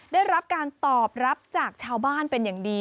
ได้รับการตอบรับจากชาวบ้านเป็นอย่างดี